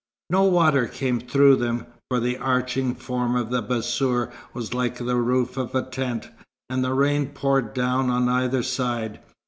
No water came through them, for the arching form of the bassour was like the roof of a tent, and the rain poured down on either side.